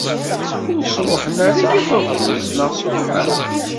Ur sṛuḥen ara akk akud, neɣ sṛuḥen?